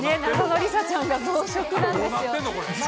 梨紗ちゃんが増殖なんですよ。